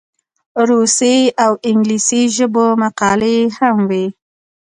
روسي او انګلیسي ژبو مقالې هم وې.